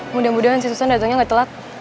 mudah mudahan si susan datangnya nggak telat